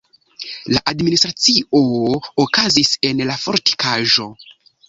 La administracio okazis en la fortikaĵo.